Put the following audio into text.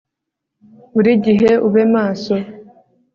buri gihe ube maso